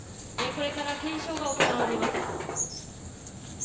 これから検証が行われます。